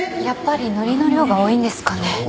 やっぱりのりの量が多いんですかね。